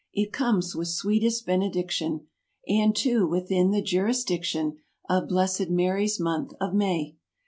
It comes with sweetest benediction; And, too, within the jurisdiction Of Blessed Mary's month of May!